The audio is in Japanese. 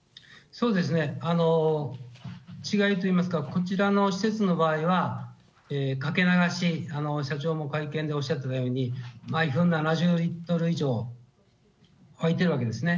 そうですね、違いといいますか、こちらの施設の場合は、かけ流し、社長も会見でおっしゃってたように、毎分７０リットル以上わいてるわけですね。